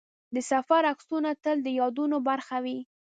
د سفر عکسونه تل د یادونو برخه وي.